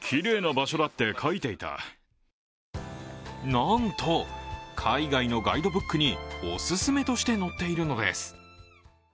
なんと海外のガイドブックにオススメとして載っているのです。